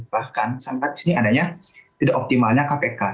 bahkan sampai disini adanya tidak optimalnya kpk